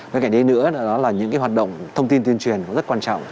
với cả đấy nữa là những cái hoạt động thông tin tuyên truyền rất quan trọng